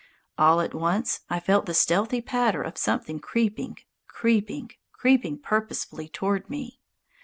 All at once I felt the stealthy patter of something creeping, creeping, creeping purposefully toward me.